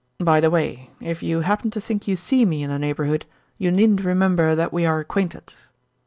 By the way, if you happen to think you see me in the neighbourhood you needn't remember that we are acquainted."